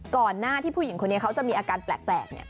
ก่อนหน้าที่ผู้หญิงคนนี้เขาจะมีอาการแปลก